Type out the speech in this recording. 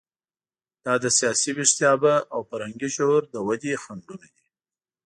دا د سیاسي ویښتیابه او فرهنګي شعور د ودې خنډونه دي.